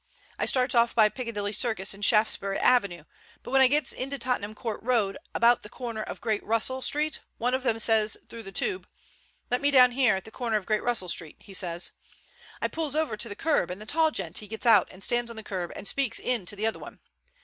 I starts off by Piccadilly Circus and Shaftesbury Avenue, but when I gets into Tottenham Court Road about the corner of Great Russell Street, one of them says through the tube, 'Let me down here at the corner of Great Russell Street,' he sez. I pulls over to the curb, and the tall gent he gets out and stands on the curb and speaks in to the other one.